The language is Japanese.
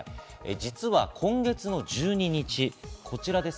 実は今月の１２日、こちらです。